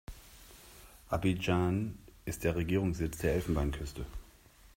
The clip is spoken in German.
Abidjan ist der Regierungssitz der Elfenbeinküste.